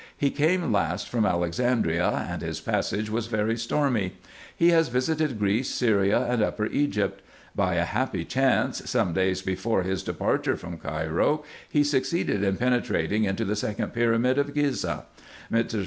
He came last from Alexandria, and his passage was very stormy. He has visited Greece, Syria, and Upper Egypt. By a happy chance, some days before his departure from Cairo, be succeeded in penetrating into the second pyramid of Ghizeh. Mr.